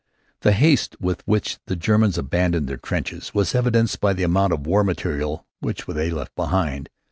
The haste with which the Germans abandoned their trenches was evidenced by the amount of war material which they left behind.